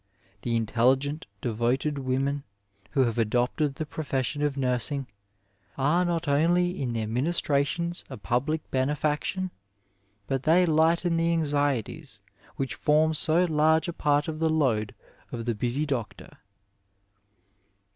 The intelligent, devoted women who have adopted the profession of nursing, are not only in their ministrations a public benefaction, but they lighten the anxieties which form so large a part of the load of the busy doctor.